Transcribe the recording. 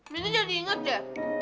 minya jadi inget ya